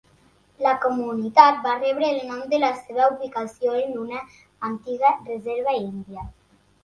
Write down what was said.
La comunitat va rebre el nom de la seva ubicació en una antiga reserva índia.